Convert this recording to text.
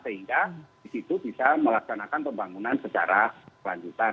sehingga disitu bisa melaksanakan pembangunan secara lanjutan